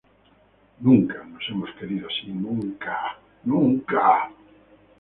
¡ nunca nos hemos querido así! ¡ nunca! ¡ nunca!...